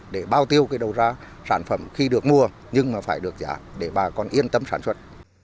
để bao tiêu cái đầu ra sản phẩm khi được mua nhưng mà phải được giá để bà con yên tâm sản xuất